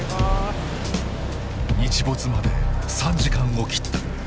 日没まで３時間を切った。